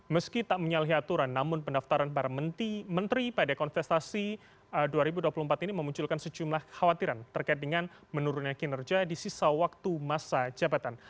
meski tak menyalahi aturan namun pendaftaran para menteri pada kontestasi dua ribu dua puluh empat ini memunculkan sejumlah khawatiran terkait dengan menurunnya kinerja di sisa waktu masa jabatan